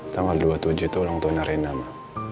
tanggal dua puluh tujuh itu ulang tahun rena ma